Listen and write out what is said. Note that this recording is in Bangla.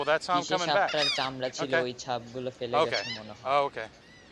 কীসে সাপটার চামড়া ছিলে ওই ছাপগুলো ফেলে গেছে মনে হয়?